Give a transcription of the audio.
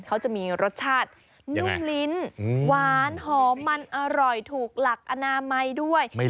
เขาจะมีรสชาตินุ่มลิ้นหวานหอมมันอร่อยถูกหลักอนามัยด้วย